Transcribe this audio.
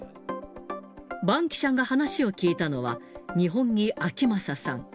バンキシャが話を聞いたのは、二本樹顕理さん。